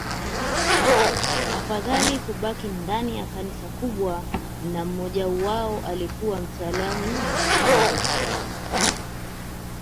Afadhali kubaki ndani ya Kanisa kubwa na mmojawao alikuwa mtaalamu mashuhuri